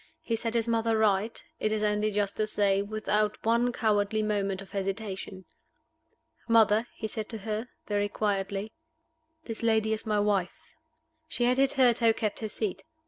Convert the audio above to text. He set his mother right, it is only just to say, without one cowardly moment of hesitation. "Mother," he said to her, very quietly, "this lady is my wife." She had hitherto kept her seat.